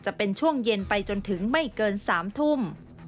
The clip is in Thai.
จะเป็นช่วงเย็นไปจนถึงไม่เกิน๓ทุ่ม